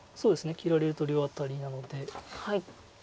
切られると両アタリなので。